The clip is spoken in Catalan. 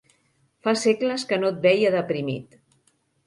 Fa segles que no et veia deprimit.